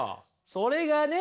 それがね